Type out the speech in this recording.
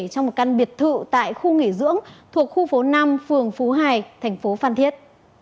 trong một căn biệt thự tại khu nghỉ dưỡng thuộc khu phố năm phường phú hải thành phố phan thiết